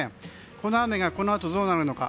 この雨がこのあとどうなるのか。